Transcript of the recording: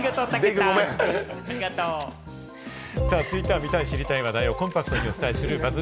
ありが続いては見たい知りたい話題をコンパクトにお伝えするＢＵＺＺ